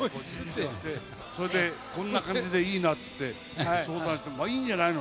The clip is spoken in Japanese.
それでこんな感じでいいなって、相談して、いいんじゃないの？